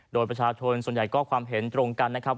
โดยประชาชนส่วนใหญ่ก็ความเห็นตรงกันนะครับ